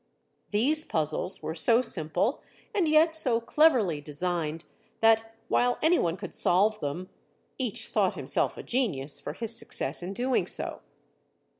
These puzzles were so simple and yet so cleverly designed that while anyone could solve them, each thought himself a genius for his success in doing so.